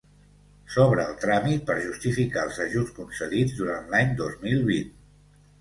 S'obre el tràmit per justificar els ajuts concedits durant l'any dos mil vint.